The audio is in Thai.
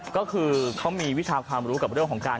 ก็คือเขามีวิทยาการรู้กับเรื่องของที่